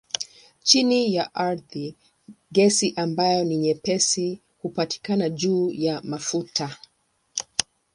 Chini ya ardhi gesi ambayo ni nyepesi hupatikana juu ya mafuta.